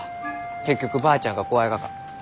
結局ばあちゃんが怖いがか？